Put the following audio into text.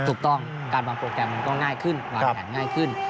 ถูกต้องการวางโปรแกรมมันก็ง่ายขึ้นวางแผนง่ายขึ้น